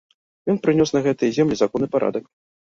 Ён прынёс на гэтыя землі закон і парадак.